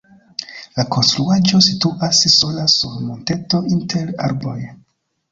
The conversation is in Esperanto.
La konstruaĵo situas sola sur monteto inter arboj.